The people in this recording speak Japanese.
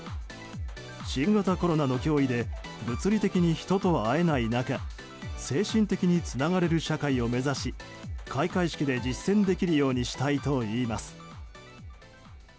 新型コロナの脅威で物理的に人と会えない中精神的につながれる社会を目指し開会式で実践できるようにしたいといいます。